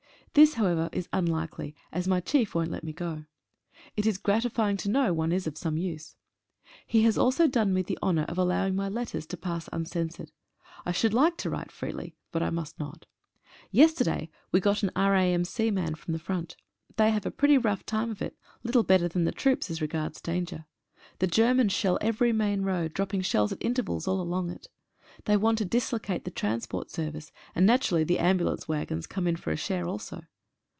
This, however, is unlikely, as my chief won't let me go. It is gratifying to know one is of some use. He has also done me the honour of allow ing my letters to pass uncensored. I should like to write freely, but I must not. Yesterday we got an R.A.M.C. man from the front. They have a pretty rough time of it, little better than the troops as regards danger. The Germans shell every main road, dropping shells at intervals all along it. They want to dislocate the transport service and naturally the ambulance waggons come in for a share also.